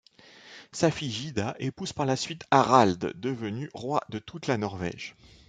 Sa fille Gyda épouse par la suite Harald, devenu roi de toute la Norvège.